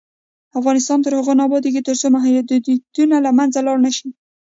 افغانستان تر هغو نه ابادیږي، ترڅو محرومیتونه له منځه لاړ نشي.